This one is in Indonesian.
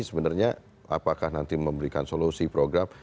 sebenarnya apakah nanti memberikan solusi program